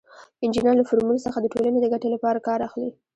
انجینر له فورمول څخه د ټولنې د ګټې لپاره کار اخلي.